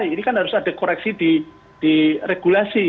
ini kan harus ada koreksi di regulasi